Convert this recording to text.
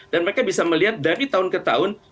dan mereka bisa melihat dari tahun ke tahun